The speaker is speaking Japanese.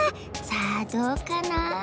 さあどうかな？